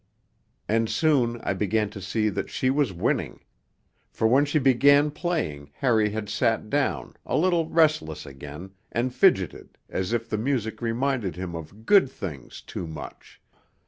And soon I began to see that she was winning. For when she began playing Harry had sat down, a little restless again, and fidgeted, as if the music reminded him of good things too much